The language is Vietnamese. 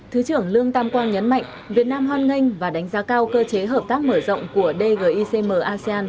thứ trưởng lương tam quang nhấn mạnh việt nam hoan nghênh và đánh giá cao cơ chế hợp tác mở rộng của dgicm asean